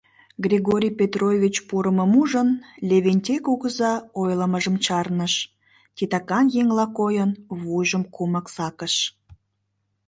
Григорий Петрович пурымым ужын, Левентей кугыза ойлымыжым чарныш, титакан еҥла койын, вуйжым кумык сакыш...